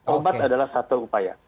obat adalah satu upaya